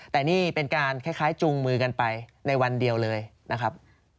แต่นี่เป็นการคล้ายจูงมือกันไปในวันเดียวเลยนะครับ